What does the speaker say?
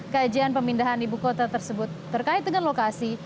kajian pemindahan ibu kota tersebut terkait dengan lokasi